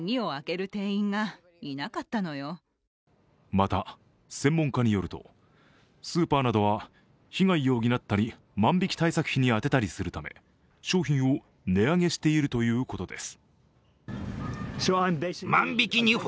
また、専門家によるとスーパーなどは被害を補ったり万引き対策費に充てたりするため商品を値上げしているということです。